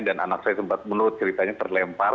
dan anak saya sempat menurut ceritanya terlempar